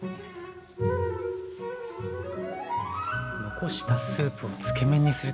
残したスープをつけ麺にするって。